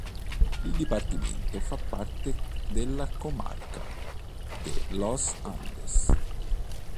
Il dipartimento fa parte della comarca de Los Andes.